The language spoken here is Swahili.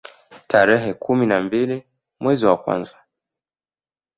Tarehe kumi na mbili mwezi wa kwanza